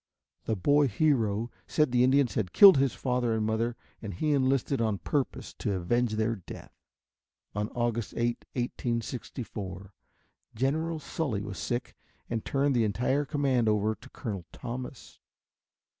The boy hero said the Indians had killed his father and mother and he enlisted on purpose to avenge their death. On August 8, 1864, General Sully was sick and turned the entire command over to Colonel Thomas.